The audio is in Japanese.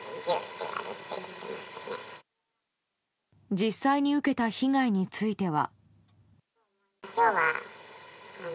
実際に受けた被害については。